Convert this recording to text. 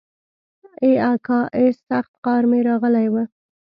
ای اکا ای سخت قار مې راغلی و.